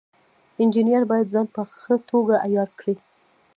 انجینر باید ځان په ښه توګه عیار کړي.